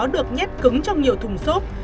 được nhét cứng trong nhiều thùng xốp